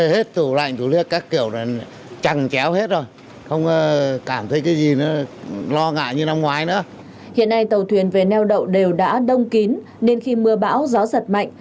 hiện nay tàu thuyền về neo đậu đều đã đông kín nên khi mưa bão gió giật mạnh